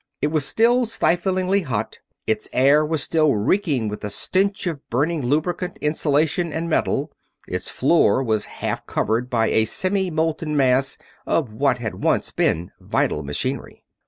It was still stiflingly hot; its air was still reeking with the stench of burning lubricant, insulation, and metal; its floor was half covered by a semi molten mass of what had once been vital machinery.